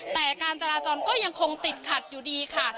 แต่การจราจรก็ยังคงติดขัดอยู่ดีค่ะ